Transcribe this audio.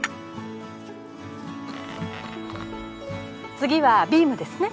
次はビームですね。